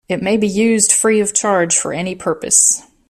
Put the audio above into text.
It may be used free of charge for any purpose.